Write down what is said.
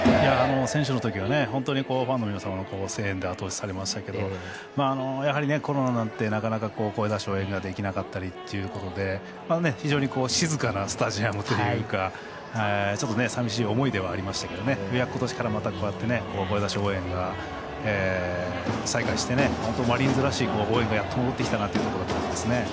選手のときはファンの皆様の声援で後押しされましたけどコロナになってなかなか声出し応援ができなかったりということで非常に静かなスタジアムというかさみしい思いではありましたが今年から、こうやって声出し応援が再開して本当にマリーンズらしい応援がやっと戻ってきたなというところだと思います。